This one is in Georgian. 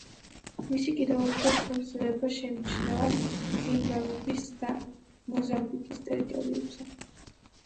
მისი კიდევ უფრო გაგრძელება შეიმჩნევა ზიმბაბვეს და მოზამბიკის ტერიტორიებზე.